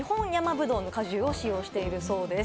葡萄の果汁を使用しているそうです。